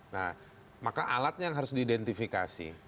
nah maka alatnya yang harus diidentifikasi